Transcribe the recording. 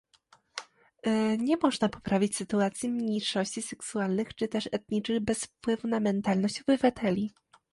Nie można poprawić sytuacji mniejszości seksualnych czy też etnicznych bez wpływu na mentalność obywateli